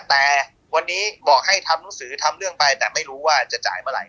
แต่วันนี้บอกให้ทำหนังสือทำเรื่องไปแต่ไม่รู้ว่าจะจ่ายเมื่อไห